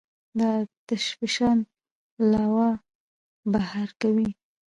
د آتش فشان لاوا بهر کوي.